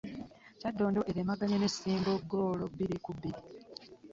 Kyaddondo eremaganye ne Ssingo ku ggoolo bbiri ku bbiri